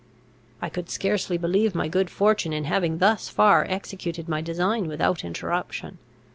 I could scarcely believe my good fortune in having thus far executed my design without interruption.